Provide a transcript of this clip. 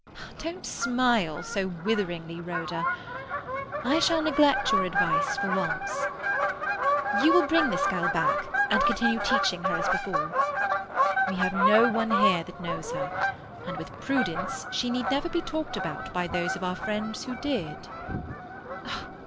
Don't smile so witheringly, Rhoda. I shall neglect your advice for once." "You will bring this girl back, and continue teaching her as before?" "We have no one here that knows her, and with prudence she need never be talked about by those of our friends who did."